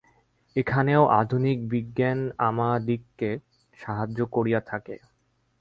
এখানেও আধুনিক বিজ্ঞান আমাদিগকে সাহায্য করিয়া থাকে।